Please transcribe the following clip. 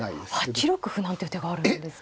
８六歩なんていう手があるんですか。